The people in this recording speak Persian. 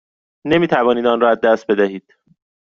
نمی توانید آن را از دست بدهید.